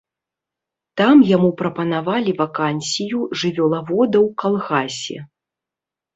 Там яму прапанавалі вакансію жывёлавода ў калгасе.